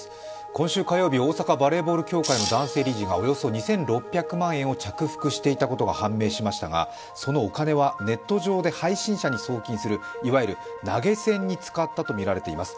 今週火曜日、大阪バレーボール協会の男性理事がおよそ２６００万円を着服していたことが判明しましたがそのお金は、ネット上で配信者に送金するいわゆる投げ銭に使ったとみられています。